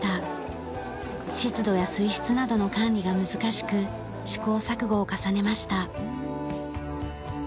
湿度や水質などの管理が難しく試行錯誤を重ねました。